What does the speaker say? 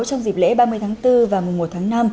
trong dịp lễ ba mươi tháng bốn và mùa một tháng năm